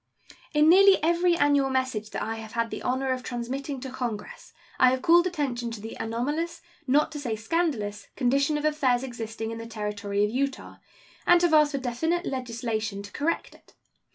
In nearly every annual message that I have had the honor of transmitting to Congress I have called attention to the anomalous, not to say scandalous, condition of affairs existing in the Territory of Utah, and have asked for definite legislation to correct it.